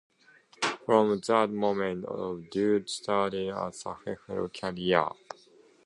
From that moment the duo started a successful career.